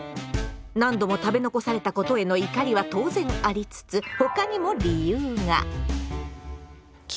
何度も食べ残されたことへの怒りは当然ありつつ他にも理由が。